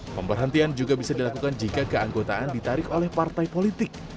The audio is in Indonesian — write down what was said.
pemperhentian juga bisa dilakukan jika keanggotaan ditarik oleh pimpinan